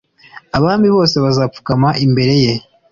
Abami bose bazapfukama imbere ye